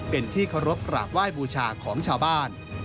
เป็นที่เคารพกราบไหว้บูชาของชาวบ้าน